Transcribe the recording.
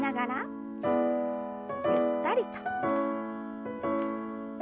ゆったりと。